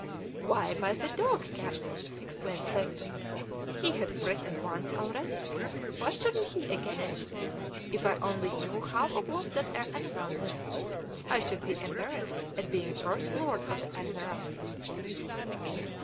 "Why, by the dog captain," exclaimed Clifton. "He has written once already; why shouldn't he again? If I only knew half of what that 'ere animal knows, I shouldn't be embarrassed at being First Lord of the Admiralty!"